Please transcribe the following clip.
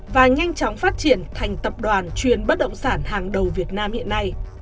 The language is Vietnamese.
và nhanh chóng phát triển thành tập đoàn chuyên bất động sản hàng đầu việt nam hiện nay